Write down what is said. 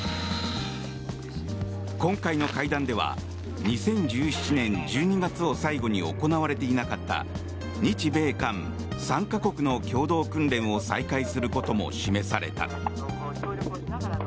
今回の会談では２０１７年１２月を最後に行われていなかった日米韓３か国の共同訓練を再開することも示された。